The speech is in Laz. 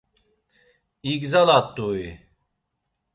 İgzalat̆u-i?